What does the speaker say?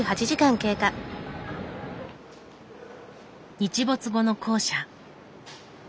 日没後の校舎。